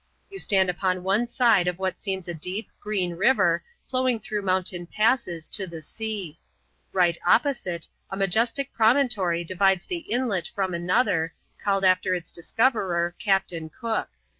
You stand upon one side of what seems a deep, green river, flowing through mountain passes to the sea. Eight opposite, a majestic promon tory divides the inlet from another, called after its discoverer, Captain Cook.